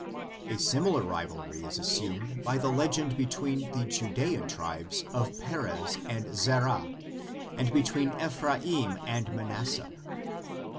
A similar rivalry is assumed by the legend between the Judaean tribes of Perez and Zerah and between Ephraim and Manasseh.